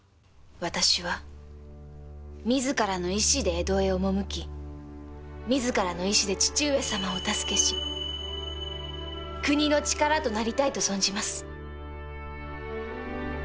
私は自らの意思で江戸へ赴き自らの意思で父上様をお助けし国の力となりたいと存じます。